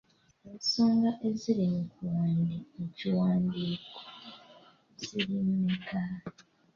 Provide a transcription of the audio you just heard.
Ensonga eziri mu kiwandiiko ziri mmeka?